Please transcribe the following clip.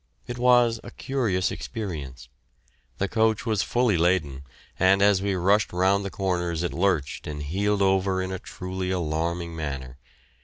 It was a curious experience. The coach was fully laden, and as we rushed around the corners it lurched and heeled over in a truly alarming manner.